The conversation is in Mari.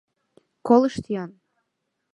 Колышт-ян!